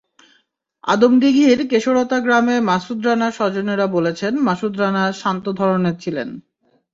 আদমদীঘির কেশরতা গ্রামে মাসুদ রানার স্বজনেরা বলেছেন, মাসুদ রানা শান্ত ধরনের ছিলেন।